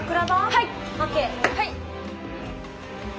はい。